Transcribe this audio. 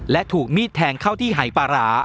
และถูกมีดแทงเข้าที่หายปลาร้า